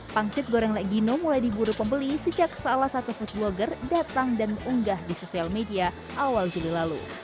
pangsit goreng lek gino mulai diburu pembeli sejak salah satu food blogger datang dan mengunggah di sosial media awal juli lalu